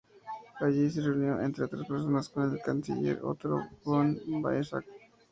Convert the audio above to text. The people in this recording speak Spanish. Allí se reunió, entre otras personas, con el canciller Otto von Bismarck.